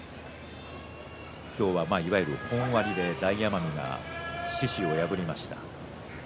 今日は、いわゆる本割で獅司を大奄美が破りました。